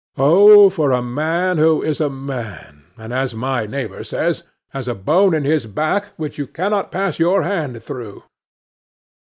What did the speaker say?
Oh for a man who is a man, and, as my neighbor says, has a bone in his back which you cannot pass your hand through!